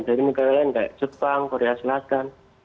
dari negara lain kayak jepang korea selatan